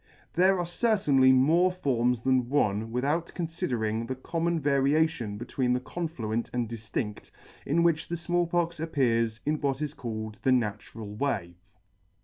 There are certainly more forms than one, without conflder ing the common variation between the confluent and diftindt, in which the Small Pox appears in what is called the natural way.